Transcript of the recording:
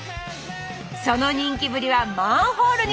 その人気ぶりはマンホールにも！